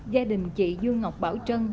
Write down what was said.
gia đình chị dương ngọc bảo trân